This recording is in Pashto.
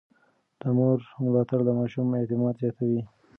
د مور ملاتړ د ماشوم اعتماد زياتوي.